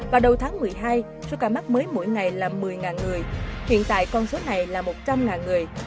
vào đầu tháng một mươi hai số ca mắc mới mỗi ngày là một mươi người hiện tại con số này là một trăm linh người